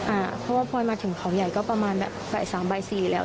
อ่าเพราะว่าพลอยมาถึงเขาใหญ่ก็ประมาณแบบบ่ายสามบ่ายสี่แล้ว